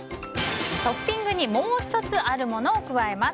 トッピングにもう１つあるものを加えます。